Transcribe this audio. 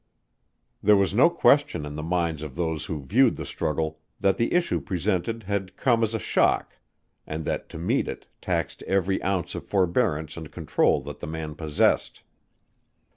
There was no question in the minds of those who viewed the struggle that the issue presented had come as a shock, and that to meet it taxed every ounce of forbearance and control that the man possessed.